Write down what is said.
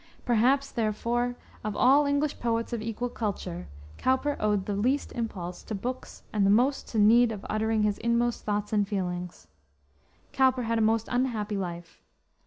Perhaps, therefore, of all English poets of equal culture, Cowper owed the least impulse to books and the most to the need of uttering his inmost thoughts and feelings. Cowper had a most unhappy life.